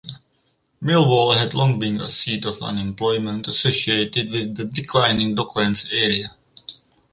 Millwall had long been a seat of unemployment associated with the declining docklands area.